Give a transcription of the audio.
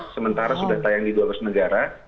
sementara sudah tayang di dua belas negara